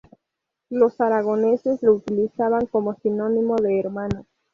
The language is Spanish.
Los aragoneses lo utilizaban como sinónimo de Hermano.